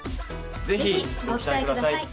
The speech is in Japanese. ぜひご期待ください。